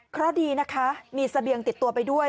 เพราะดีนะคะมีเสบียงติดตัวไปด้วย